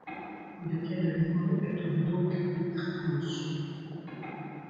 Mais de quel limon êtes-vous donc pétri, monsieur ?